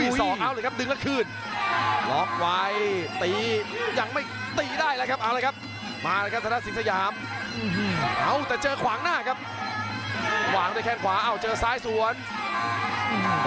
อูหูตรงกันตั้งแผงข่าวไว้เลยครับ